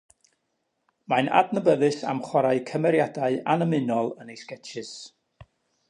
Mae'n adnabyddus am chwarae cymeriadau annymunol yn ei sgetshis.